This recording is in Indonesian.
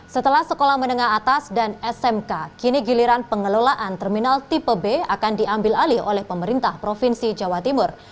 setelah sekolah menengah atas dan smk kini giliran pengelolaan terminal tipe b akan diambil alih oleh pemerintah provinsi jawa timur